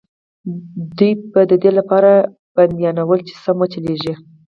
دوی به د دې لپاره بندیانول چې سم وچلېږي.